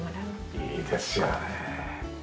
いいですよねえ。